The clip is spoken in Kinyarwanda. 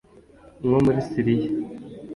nko muri Syria